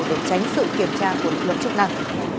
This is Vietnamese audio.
để tránh sự kiểm tra của lực lượng chức năng